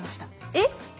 えっ？